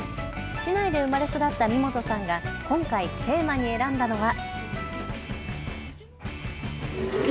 市内で生まれ育った三本さんが今回、テーマに選んだのは。